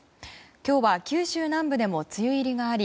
今日は九州南部でも梅雨入りがあり